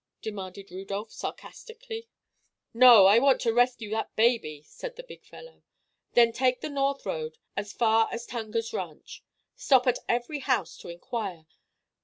demanded Rudolph, sarcastically. "No; I want to rescue that baby," said the big fellow. "Then take the north road, as far as Tungar's ranch. Stop at every house to inquire.